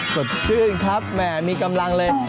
สดชื่นครับแหมมีกำลังเลย